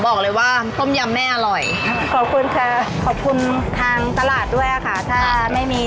บอกมาเลยวันนี้ขอให้ได้ยอดเท่านี้นี้